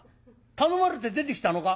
頼まれて出てきたのか？